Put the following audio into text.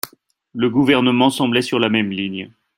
Le Gouvernement semblait sur la même ligne.